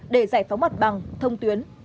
để giải phóng mặt bằng thông tuyến